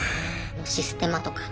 システマとか。